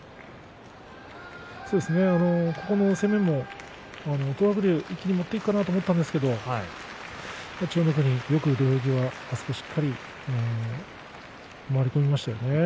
この攻めも東白龍一気に持っていくかなと思ったんですけど千代の国、よく土俵際しっかりと回り込みましたね。